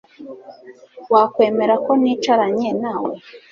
Wakwemera ko nicaranye nawe